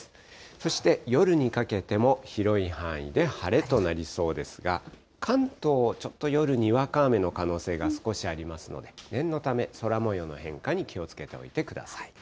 そして夜にかけても、広い範囲で晴れとなりそうですが、関東、ちょっと夜にわか雨の可能性が少しありますので、念のため、空もようの変化に気をつけておいてください。